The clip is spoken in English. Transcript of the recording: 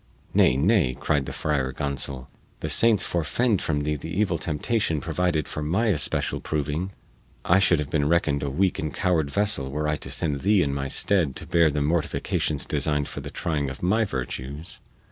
"Nay, nay," cried the Friar Gonsol, "the saints forefend from thee the evil temptation provided for my especial proving! I should have been reckoned a weak and coward vessel were I to send thee in my stead to bear the mortifications designed for the trying of my virtues."